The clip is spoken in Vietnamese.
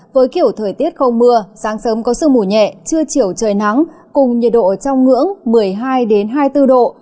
với kiểu thời tiết không mưa sáng sớm có sương mù nhẹ chưa chiều trời nắng cùng nhiệt độ trong ngưỡng một mươi hai hai mươi bốn độ